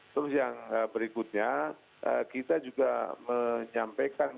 terus yang berikutnya kita juga menyampaikan